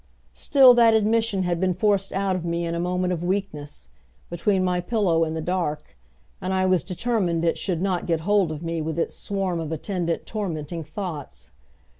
Still that admission had been forced out of me in a moment of weakness, between my pillow and the dark; and I was determined it should not get hold of me with its swarm of attendant tormenting thoughts.